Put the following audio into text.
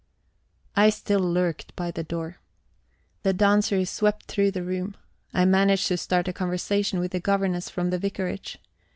I still lurked by the door. The dancers swept through the room. I managed to start a conversation with the governess from the vicarage.